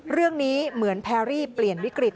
เรื่องนี้เหมือนแพรรี่เปลี่ยนวิกฤต